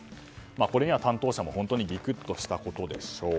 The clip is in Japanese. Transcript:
これには担当者も本当にギクッとしたことでしょう。